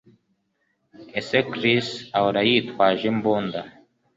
Ese Chris ahora yitwaje imbunda